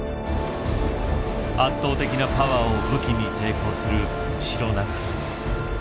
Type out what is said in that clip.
圧倒的なパワーを武器に抵抗するシロナガス。